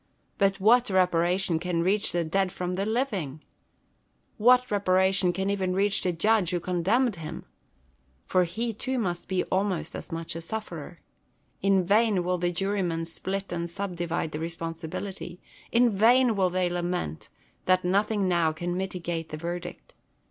But what reparation can reach the dead from the living ? What reparation can even reach the judge who condemned him ? for he too must be almost as much a sufferer. In vain will the jurymen split and subdivide the responsibility; in vain will they lament that nothing now can mitigate the verdict.